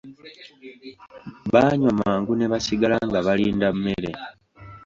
Baanywa mangu ne basigala nga balinda mmere.